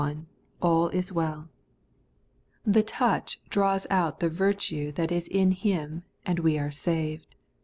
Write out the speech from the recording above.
Ill One, all is well The touch draws out the virtue that is in Him, and we are saved.